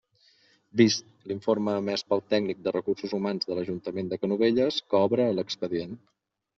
Vist l'informe emès pel tècnic de recursos humans de l'ajuntament de Canovelles que obra a l'expedient.